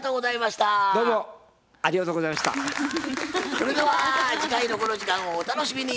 それでは次回のこの時間をお楽しみに。